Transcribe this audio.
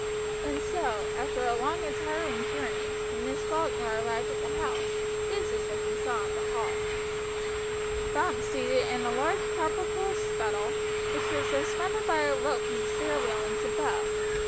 And so, after a long and tiring journey, when Miss Falkner arrived at the house, this is what she saw in the hall Bumps seated in a large copper coal scuttle, which was suspended by a rope from the stair railings above.